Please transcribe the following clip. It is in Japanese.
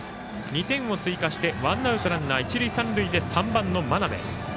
２点を追加してワンアウトランナー、一塁三塁で３番の真鍋。